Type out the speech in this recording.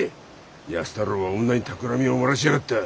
安太郎は女にたくらみを漏らしやがった。